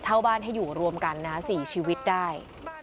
บ้านให้อยู่รวมกันนะ๔ชีวิตได้